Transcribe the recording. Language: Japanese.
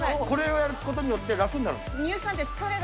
これをやることによって楽になるんですか？